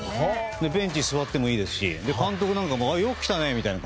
ベンチに座ってもいいですし監督なんかもよく来たね！